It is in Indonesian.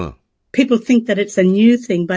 orang orang berpikir bahwa hal ini adalah hal baru